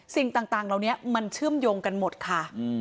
สิ่งต่างเหล่านี้มันเชื่อมโยงกันหมดค่ะ